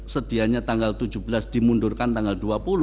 sedianya tanggal tujuh belas dimundurkan tanggal dua puluh